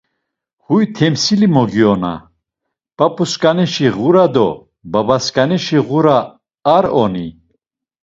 Huy temsili mogiona; p̌ap̌usǩanişi ğura do babasǩanişi ğura ar oni?